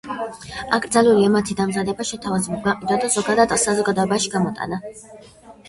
აკრძალული მათი დამზადება, შეთავაზება, გაყიდვა და ზოგადად საზოგადოებაში გამოტანა.